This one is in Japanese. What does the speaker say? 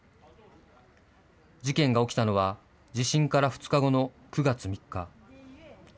事件が起きたのは、地震から２日後の９月３日。